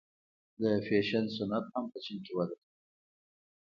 د فیشن صنعت هم په چین کې وده کوي.